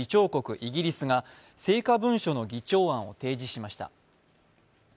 イギリスが成果文書の議長案を提示しました。